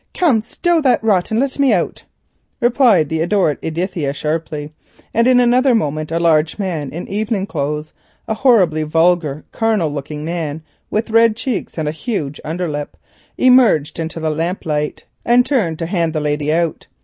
"Come stow that and let me out," replied the adored Edithia sharply; and in another moment a large man in evening clothes, a horrible vulgar, carnal looking man with red cheeks and a hanging under lip, emerged into the lamp light and turned to hand the lady out.